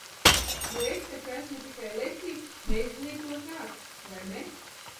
Jo es taču esmu tikai lecīgs, neizglītots āksts, vai ne?